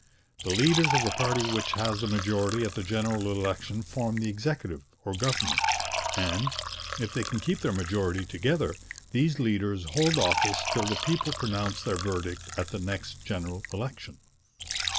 The leaders of the party which has the majority at the general election form the Executive, or Government, and, if they can keep their majority together, these leaders hold office till the people pronounce their verdict at the next general election.